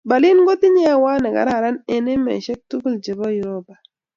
Berlin kotinye ewait ne kararan eng emesheck tugul che bo uropa